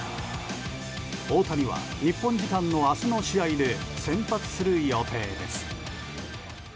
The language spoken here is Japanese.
大谷は日本時間の明日の試合で先発する予定です。